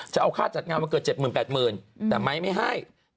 จะเอาค่าจัดงานวันเกิด๗๘๐๐๐แต่ไม้ไม่ให้